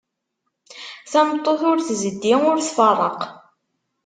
Tameṭṭut ur tzeddi, ur tfeṛṛeq.